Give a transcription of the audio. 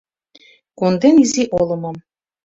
Конден изи олымым